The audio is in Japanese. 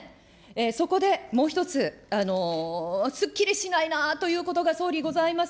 そこで、もう１つ、すっきりしないなということが総理、ございます。